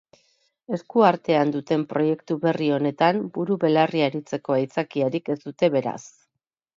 Esku artean duten proiektu berri honetan buru belarri aritzeko aitzakiarik ez dute beraz.